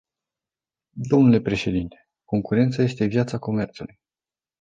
Domnule președinte, concurența este viața comerțului.